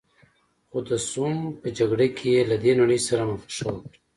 خو د سوم په جګړه کې یې له دې نړۍ سره مخه ښه وکړه.